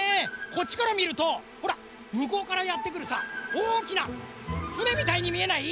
こっちからみるとほらむこうからやってくるさおおきなふねみたいにみえない？